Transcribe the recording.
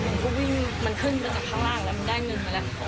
มันก็วิ่งมันขึ้นไปจากข้างล่างแล้วมันได้เงินมาแล้ว